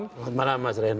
selamat malam mas renan